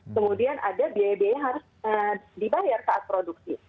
kemudian ada biaya biaya yang harus dibayar saat produksi